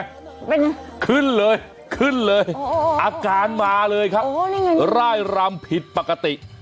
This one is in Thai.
เป็นไงขึ้นเลยขึ้นเลยอาการมาเลยครับร่ายรำผิดปกติ